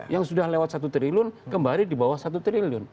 yang sudah lewat satu triliun kembali di bawah satu triliun